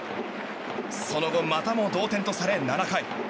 その後、またも同点とされ７回。